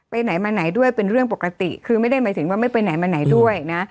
ไปไหนมาไหนด้วยเป็นเรื่องปกติคือไม่ได้หมายถึงว่าไม่ไปไหนมาไหนด้วยนะ